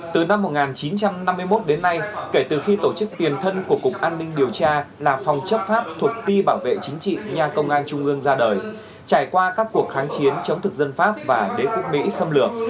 từ năm một nghìn chín trăm năm mươi một đến nay kể từ khi tổ chức tiền thân của cục an ninh điều tra là phòng chấp pháp thuộc phi bảo vệ chính trị nhà công an trung ương ra đời trải qua các cuộc kháng chiến chống thực dân pháp và đế quốc mỹ xâm lược